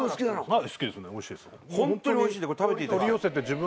はい。